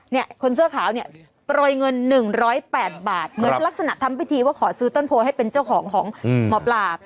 คนเสื้อขาวเนี่ยโปรยเงิน๑๐๘บาทเหมือนลักษณะทำพิธีว่าขอซื้อต้นโพให้เป็นเจ้าของของหมอปลา